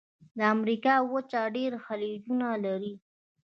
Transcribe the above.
د امریکا وچه ډېر خلیجونه لري.